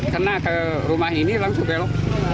kena ke rumah ini langsung belok